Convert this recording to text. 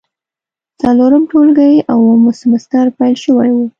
څلورم ټولګی او اووم سمستر پیل شوی و.